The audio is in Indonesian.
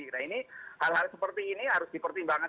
nah ini hal hal seperti ini harus dipertimbangkan